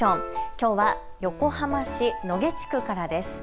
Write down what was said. きょうは横浜市野毛地区からです。